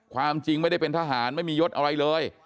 ความจริงไม่ได้เป็นทหารไม่มียศอะไรเลย